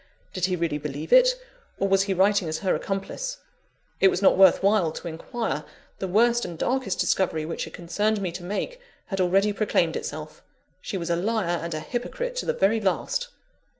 Did he really believe it, or was he writing as her accomplice? It was not worth while to inquire: the worst and darkest discovery which it concerned me to make, had already proclaimed itself she was a liar and a hypocrite to the very last!